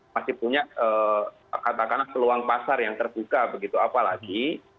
masih punya katakanlah peluang pasar yang terbuka begitu apalagi